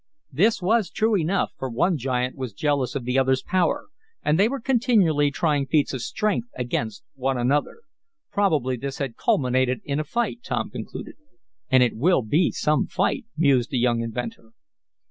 This was true enough, for one giant was jealous of the other's power, and they were continually trying feats of strength against one another. Probably this had culminated in a fight, Tom concluded. "And it will be some fight!" mused the young inventor.